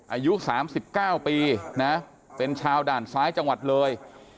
อายุ๓๙ปีนะเป็นชาวด่านซ้ายจังหวัดเลย